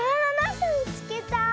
すみつけた。